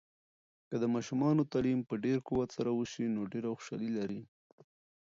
که د ماشومانو تعلیم په ډیر قوت سره وسي، نو ډیر خوشحالي لري.